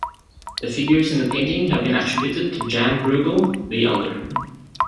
The figures in the painting have been attributed to Jan Brueghel the Elder.